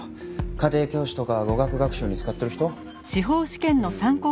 家庭教師とか語学学習に使ってる人。